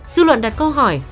sư luận đặt câu hỏi